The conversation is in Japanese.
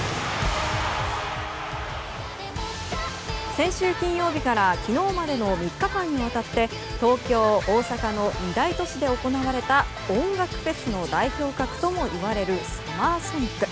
先週金曜日から昨日までの３日間にわたって東京、大阪の２大都市で行われた音楽フェスの代表格ともいわれるＳＵＭＭＥＲＳＯＮＩＣ。